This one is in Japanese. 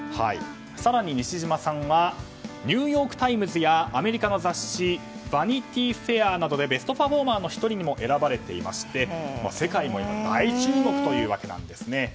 更に西島さんはニューヨーク・タイムズやアメリカの雑誌「ヴァニティ・フェア」などでベストパフォーマーの１人にも選ばれていて世界も今大注目というわけなんです。